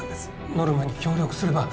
ノルマに協力すれば